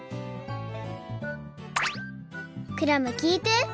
クラムきいて。